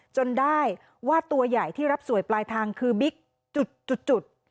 จนได้ว่าตัวใหญ่ที่รับสวยปลายทางคือบิ๊กจุด